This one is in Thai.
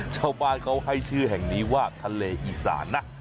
ชาวบ้านเขาให้ชื่อแห่งนี้ว่าทะเลอีสานนะ